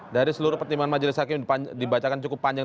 dari seluruh pertimbangan majelis hakim dibacakan cukup panjang